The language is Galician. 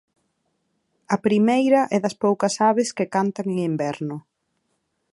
A primeira é das poucas aves que cantan en inverno.